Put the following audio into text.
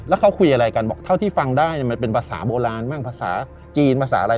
แล้วเขาคุยอะไรกันบอกเท่าที่ฟังได้มันเป็นภาษาโบราณบ้างภาษาจีนภาษาอะไร